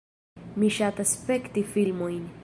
Mi ŝatas spekti filmojn.